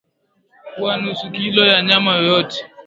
Chukua nusu kilo ya nyama yoyote